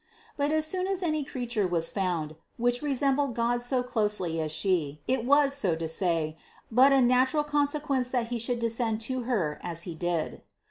But as soon as any creature was found, which resembled God so closely as She, it was, so to say, but a natural consequence that He should descend to Her as He did.